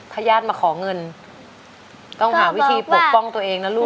ถ้าญาติมาขอเงินต้องหาวิธีปกป้องตัวเองนะลูก